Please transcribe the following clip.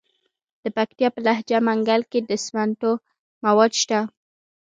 د پکتیا په لجه منګل کې د سمنټو مواد شته.